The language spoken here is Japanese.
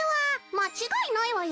間違いないわよ